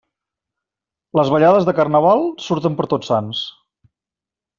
Les ballades de Carnaval surten per Tots Sants.